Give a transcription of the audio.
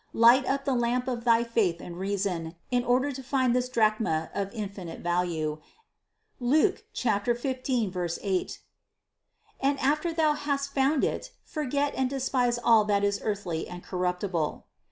Light up the lamp of thy faith and reason in order to find this drachm of infinite value, and after thou hast (Luke 15, 8) found it, forget and despise all that is earthly and corruptible.